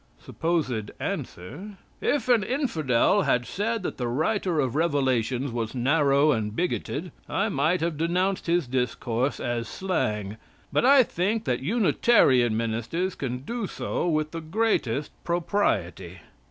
(Supposed) Answer. If an infidel had said that the writer of Revelations was narrow and bigoted, I might have denounced his discourse as "slang," but I think that Unitarian ministers can do so with the greatest propriety.